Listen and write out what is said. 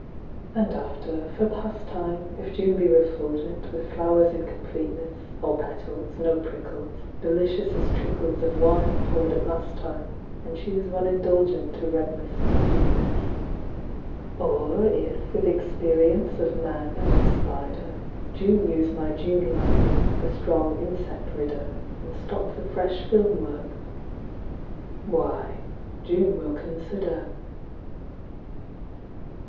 And after, for pastime, If June be refulgent With flowers in completeness, All petals, no prickles, Delicious as trickles Of wine poured at mass time, And choose One indulgent To redness and sweetness: Or if, with experience of man and of spider, June use my June lightning, the strong insect ridder, And stop the fresh film work, why, June will consider.